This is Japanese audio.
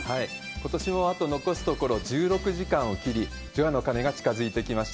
ことしもあと残すところ１６時間を切り、除夜の鐘が近づいてきました。